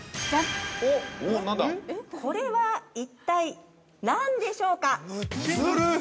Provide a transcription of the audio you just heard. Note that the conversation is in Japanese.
◆これは一体何でしょうか？